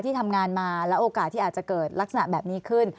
ที่ทำงานมาแล้วโอกาสที่อาจจะเกิดลักษณะแบบนี้ขึ้น